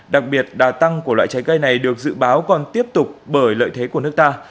đặc biệt đà tăng của loại trái cây này được dự báo còn tiếp tục bởi lợi thế của nước ta